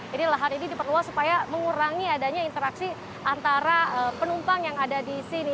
jadi lahan ini diperluas supaya mengurangi adanya interaksi antara penumpang yang ada di sini